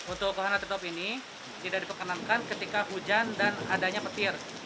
untuk wahana tertutup ini tidak diperkenankan ketika hujan dan adanya petir